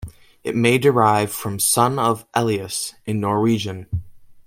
It may derive from "Son of Elias" in Norwegian.